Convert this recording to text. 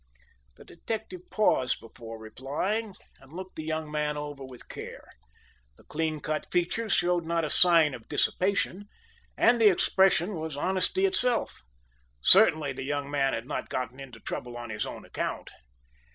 The detective paused before replying, and looked the young man over with care. The clean cut features showed not a sign of dissipation, and the expression was honesty itself. Certainly the young man had not gotten into trouble on his own account.